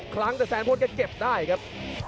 ครั้งแต่แสนพลตก็เก็บได้ครับ